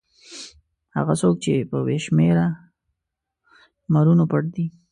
هغه څوک چې په بې شمېره لمرونو پټ دی.